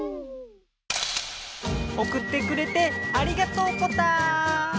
おくってくれてありがとうポタ！